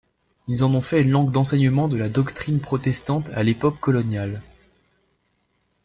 Ils en ont fait une langue d'enseignement de la doctrine protestante à l'époque coloniale.